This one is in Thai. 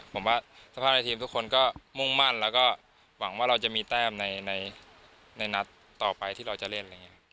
ผมว่าสภาพในทีมทุกคนก็มุ่งมั่นแล้วก็หวังว่าเราจะมีแต้มในนัดต่อไปที่เราจะเล่น